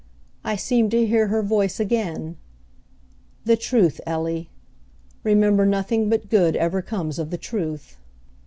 I seemed to hear her voice again, "The truth, Ellie, remember nothing but good ever comes of the truth."